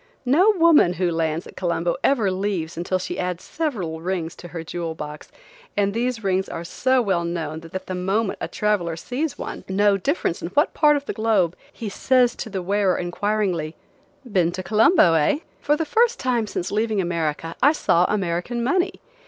No woman who lands at Colombo ever leaves until she adds several rings to her jewel box, and these rings are so well known that the moment a traveler sees one, no difference in what part of the globe, he says to the wearer, inquiringly: "Been to Colombo, eh?" For the first time since leaving America I saw American money.